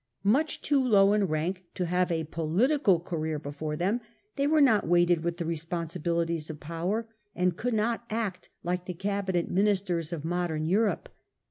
Much too low in rank to have a political career before them, they were not weighted with the responsibilities of power, and could not act like the cabinet ministers of modern Europe.